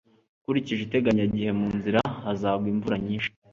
ukurikije iteganyagihe, mu nzira hazagwa imvura nyinshi